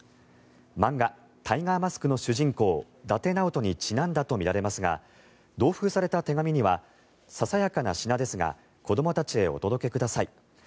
漫画「タイガーマスク」の主人公、伊達直人にちなんだとみられますが同封された手紙にはささやかな品ですが子どもたちへお届けください。